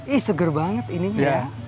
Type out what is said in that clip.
ih seger banget ininya